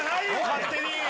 勝手に。